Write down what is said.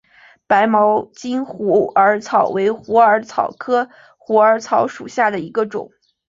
白毛茎虎耳草为虎耳草科虎耳草属下的一个种。